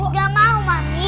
gak mau mami